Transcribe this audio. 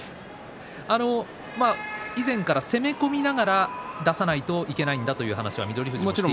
以前から攻め込みながら出さないといけないんだという話は翠富士はしていて。